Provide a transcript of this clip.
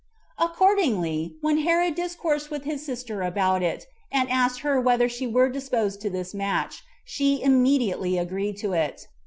Accordingly, when Herod discoursed with his sister about it, and asked her whether she were disposed to this match, she immediately agreed to it.